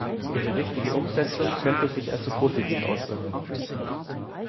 Ihre richtige Umsetzung könnte sich also positiv auswirken.